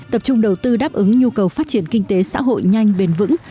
tập trung đầu tư đáp ứng nhu cầu phát triển kinh tế xã hội nhanh bền vững